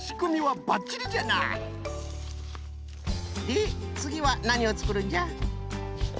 でつぎはなにをつくるんじゃ？